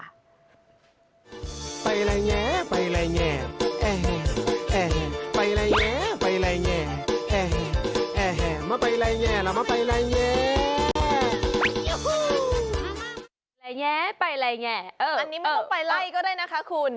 อันนี้ไม่ต้องไปไล่ก็ได้นะคะคุณ